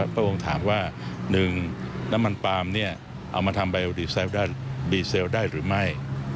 พระองค์ถามว่า๑น้ำมันปาล์มเอามาทำไวโอดีเซลดีเซลได้หรือไม่